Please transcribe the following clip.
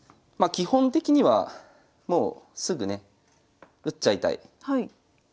基本的にはもうすぐね打っちゃいたいところなんですよ。